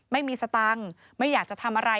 ไม่มีสตังค์ไม่อยากจะทำอะไร